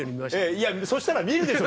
いやそしたら見るでしょ